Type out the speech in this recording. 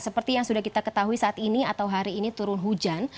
seperti yang sudah kita ketahui saat ini atau hari ini turun hujan